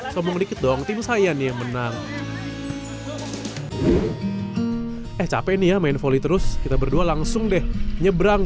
cuman diketon tim saya nih menang capek nih ya main voli terus kita berdua langsung deh nyebrang